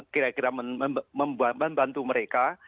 kira kira membantu mereka